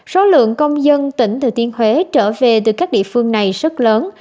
số lượng công dân tỉnh thừa tiên huế trở về từ các địa phương này rất lớn